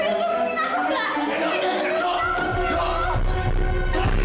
itu bukan itu